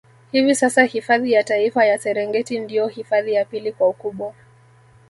Hivi sasa hifadhi ya Taifa ya Serengeti ndio hifadhi ya pili kwa ukubwa